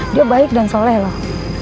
dia baik dan soleh loh